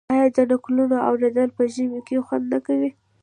آیا د نکلونو اوریدل په ژمي کې خوند نه کوي؟